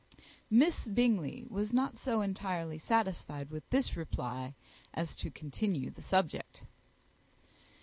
Miss Bingley was not so entirely satisfied with this reply as to continue the subject.